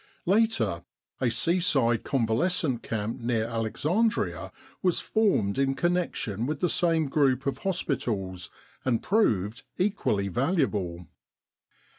Later a seaside convalescent camp near Alexandria was formed in connection with the same group of hospitals, and proved equally valuable.